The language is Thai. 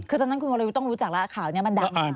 คือตอนนั้นคุณวรยุทธ์ต้องรู้จักแล้วข่าวนี้มันดัง